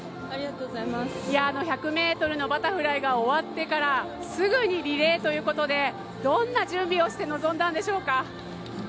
１００ｍのバタフライが終わってからすぐにリレーということで、どんな準備をして臨んだんでしょうか。